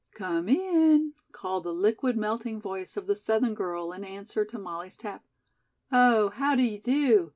"Come in," called the liquid, melting voice of the Southern girl in answer to Molly's tap. "Oh, how do you do?